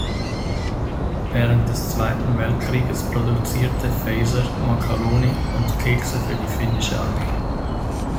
Während des Zweiten Weltkrieges produzierte Fazer Makkaroni und Kekse für die finnische Armee.